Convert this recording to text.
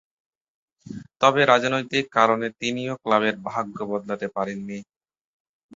তবে রাজনৈতিক কারণে তিনিও ক্লাবের ভাগ্য বদলাতে পারেননি।